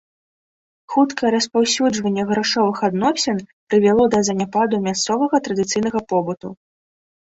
Хуткае распаўсюджванне грашовых адносін прывяло да заняпаду мясцовага традыцыйнага побыту.